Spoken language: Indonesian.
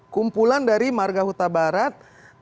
kumpulan dari marga huta barat